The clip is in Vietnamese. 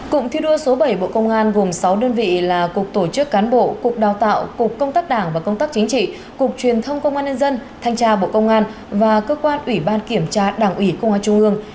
cụm thi đua số bảy bộ công an gồm sáu đơn vị là cục tổ chức cán bộ cục đào tạo cục công tác đảng và công tác chính trị cục truyền thông công an nhân dân thanh tra bộ công an và cơ quan ủy ban kiểm tra đảng ủy công an trung ương